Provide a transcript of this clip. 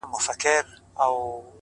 ستـا له خندا سره خبري كـوم،